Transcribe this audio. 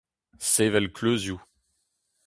Sevel kleuzioù.